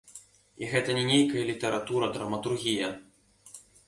І гэта не нейкая літаратура, драматургія.